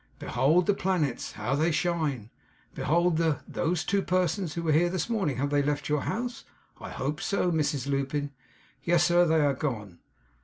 'Behold the planets, how they shine! Behold the those two persons who were here this morning have left your house, I hope, Mrs Lupin?' 'Yes, sir. They are gone.